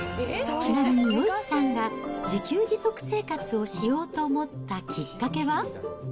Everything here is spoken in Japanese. ちなみに余一さんが自給自足生活をしようと思ったきっかけは？